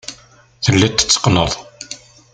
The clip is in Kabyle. Telliḍ tetteqqneḍ.